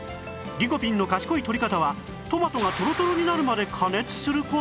リコピンの賢いとり方はトマトがとろとろになるまで加熱する事！？